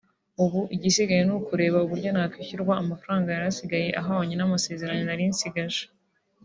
ubu igisigaye ni ukureba uburyo nakwishyurwa amafaranga yari asigaye ahwanye n’amasezerano nari nsigaje